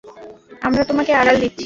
আমরা তোমাকে আড়াল দিচ্ছি।